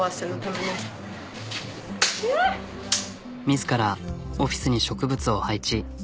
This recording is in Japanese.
自らオフィスに植物を配置。